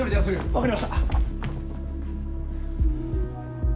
・わかりました。